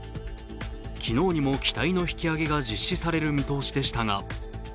昨日にも機体の引き揚げが実施される見通しでしたが。